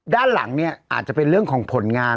ด้านหลังเนี่ยอาจจะเป็นเรื่องของผลงาน